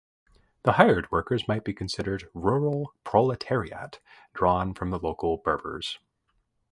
The hired workers might be considered 'rural proletariat', drawn from the local Berbers.